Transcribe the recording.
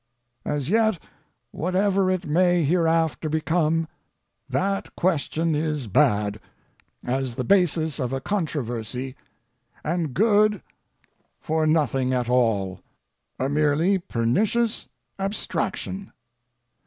As yet, whatever it may hereafter become, that question is bad, as the basis of a controversy, and good for nothing at all a merely pernicious abstraction.